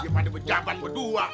dia pada berjabat berdua